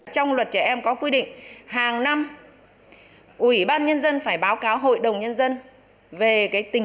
trong luật trẻ em có quy định hàng năm ủy ban nhân dân phải báo cáo hội đồng nhân dân về tình